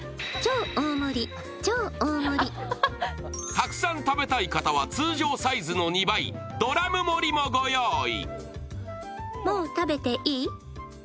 たくさん食べたい方は通常サイズの２倍、ドラム盛りもご用意。